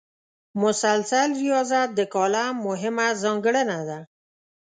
مسلسل ریاضت د کالم مهمه ځانګړنه ده.